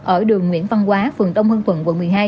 ở đường nguyễn văn quá phường đông hưng phường quận một mươi hai